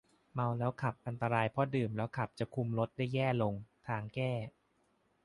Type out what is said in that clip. เมาแล้วขับอันตรายเพราะดื่มแล้วขับจะคุมรถได้แย่ลง ทางแก้